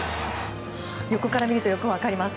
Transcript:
横から見るとよく分かります。